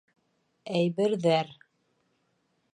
Әйберҙәр...